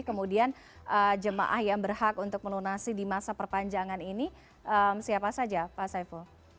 kemudian jemaah yang berhak untuk melunasi di masa perpanjangan ini siapa saja pak saiful